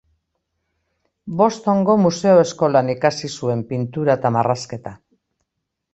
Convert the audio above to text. Bostongo Museo Eskolan ikasi zuen pintura eta marrazketa.